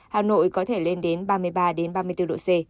hà nội có thể lên đến ba mươi ba ba mươi bốn độ c